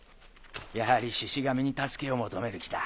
やはりシシ神に助けを求める気だ